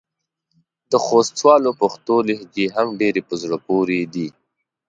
د خوستوالو پښتو لهجې هم ډېرې په زړه پورې دي.